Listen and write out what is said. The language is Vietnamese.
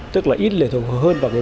tức là ít lệ thuộc hơn vào